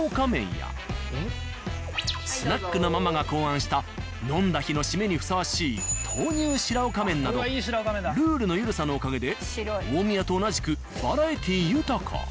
スナックのママが考案した飲んだ日のシメにふさわしい豆乳シラオカ麺などルールのゆるさのおかげで大宮と同じくバラエティー豊か。